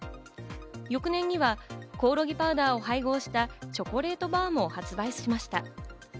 翌年にはコオロギパウダーを配合したチョコレートバーも発売しました。